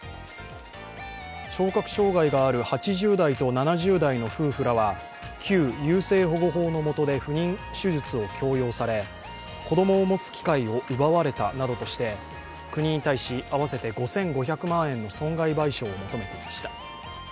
聴覚障害がある８０代と７０代の夫婦らは旧優生保護法のもとで不妊手術を強要され子供を持つ機会を奪われたなどとして、国に対し合わせて５５００万円の損害賠償を求めていました。